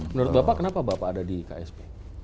menurut bapak kenapa bapak ada di ksp